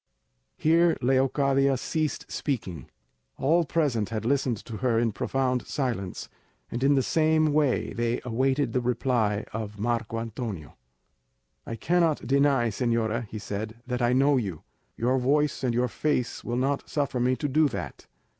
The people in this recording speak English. Here Leocadia ceased speaking. All present had listened to her in profound silence, and in the same way they awaited the reply of Marco Antonio. "I cannot deny, señora," he said, "that I know you; your voice and your face will not suffer me to do that.